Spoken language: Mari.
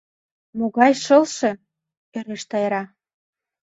— Могай шылше? — ӧреш Тайра.